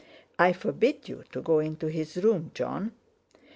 I forbid you to go into his room, Jon."